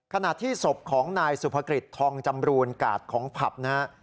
ขณะที่ศพของนายสุภกิจทองจำรูนกาดของผับนะฮะ